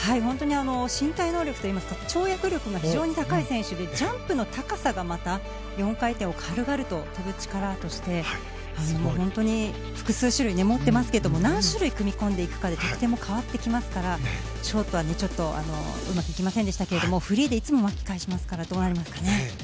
身体能力、跳躍力が非常に高い選手でジャンプの高さがまた４回転を軽々と跳ぶ力があって本当に複数種類持っていますが何種類、組み込んでいくかで得点も変わってきますからショートはちょっとうまくいきませんでしたけどフリーでいつも巻き返しますからどうなりますかね。